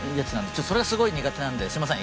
それがすごい苦手なんですみません。